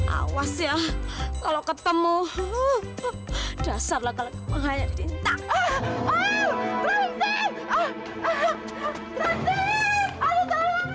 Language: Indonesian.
awas ya kalau ketemu dasar lah kalau kemahannya ditinggalkan